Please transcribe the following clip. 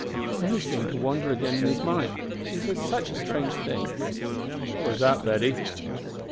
Then he seemed to wander again in his mind, for he said such a strange thing." "What was that, Betty?"